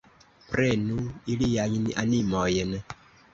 Prenu iliajn animojn!